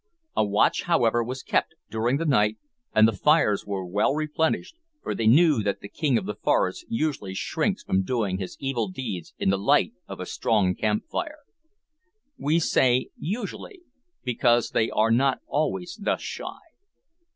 A watch, however, was kept during the night, and the fires were well replenished, for they knew that the king of the forest usually shrinks from doing his evil deeds in the light of a strong camp fire. We say usually because they are not always thus shy.